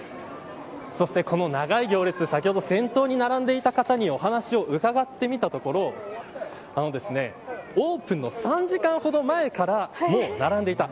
そしてこの長い行列先ほど、先頭に並んでいた方にお話を伺ってみたところオープンの３時間ほど前からもう並んでいた。